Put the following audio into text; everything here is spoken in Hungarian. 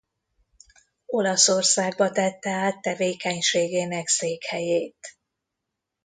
Olaszországba tette át tevékenységének székhelyét.